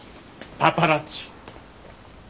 パパラッチ？